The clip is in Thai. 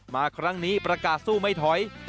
มาครั้งนี้ประกาศสู้ไม่ถอย